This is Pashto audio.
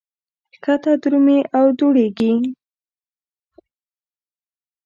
ښکته درومي او دوړېږي.